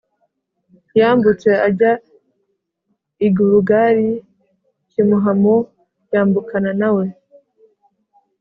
yambutse ajya i Gilugali Kimuhamu yambukana na we